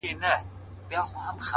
کنجکاوي د پوهې سرچینه ده,